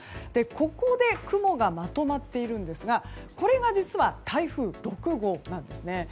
ここで雲がまとまっているんですがこれが実は台風６号なんですね。